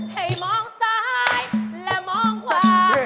ให้มองซ้ายและมองขวา